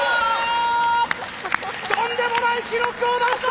とんでもない記録を出した！